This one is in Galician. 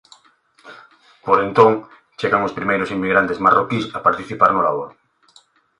Por entón chegan os primeiros inmigrantes marroquís a participar no labor.